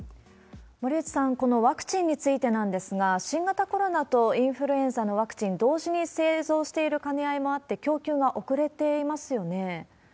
森内さん、このワクチンについてなんですが、新型コロナとインフルエンザのワクチン、同時に製造している兼ね合いもあって、供給が遅れていますよね。